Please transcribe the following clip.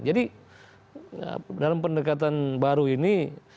jadi dalam pendekatan baru ini